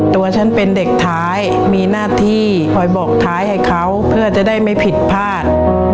ตัวฉันเป็นเด็กท้ายมีหน้าที่คอยบอกท้ายให้เขาเพื่อจะได้ไม่ผิดพลาด